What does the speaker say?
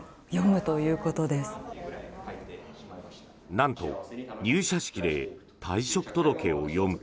なんと入社式で退職届を読む。